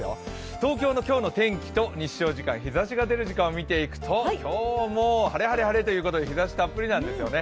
東京の今日の天気と日照時間、日ざしが出る時間を見てみると今日も晴れ晴れ晴れということで日ざしたっぷりなんですよね。